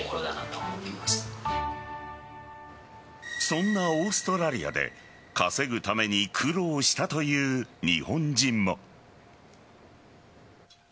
そんなオーストラリアで稼ぐために苦労したという日本人も。